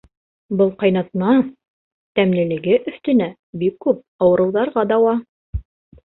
Был ҡайнатма — тәмлелеге өҫтөнә бик күп ауырыуҙарға дауа.